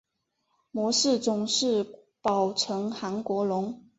模式种是宝城韩国龙。